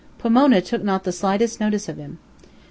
Pomona took not the slightest notice of him.